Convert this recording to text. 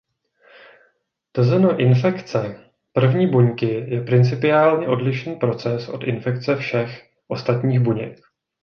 Tzn. infekce první buňky je principiálně odlišný proces od infekce všech ostatních buněk.